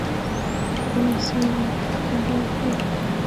আমি, sorry, David!